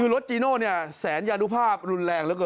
รถจีโน่แสนยาดุภาพรุนแรง